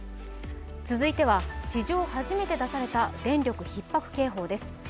続いては、史上初めて出された電力ひっ迫警報です。